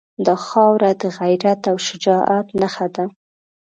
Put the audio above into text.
دا خاوره د غیرت او شجاعت نښه ده.